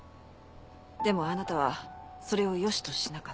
でもあなたはそれを良しとしなかった。